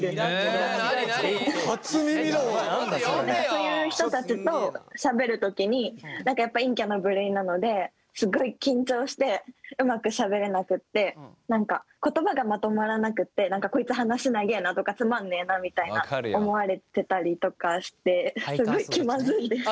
そういう人たちとしゃべるときにやっぱ陰キャな部類なのですごい緊張してうまくしゃべれなくって何か言葉がまとまらなくってこいつ話長えなとかつまんねえなみたいな思われてたりとかしてすごい気まずいです。